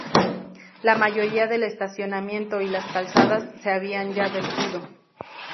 La mayoría del estacionamiento y las calzadas se habían ya vertido.